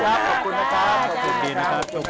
ขอบคุณส่วนดีนะครับ